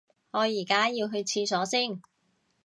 我而家要去廁所先